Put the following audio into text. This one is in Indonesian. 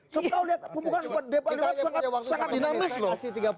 coba kau lihat pembukaan ud pan lima sangat dinamis loh